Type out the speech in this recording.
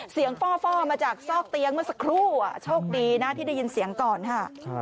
ฟ่อมาจากซอกเตียงเมื่อสักครู่โชคดีนะที่ได้ยินเสียงก่อนค่ะ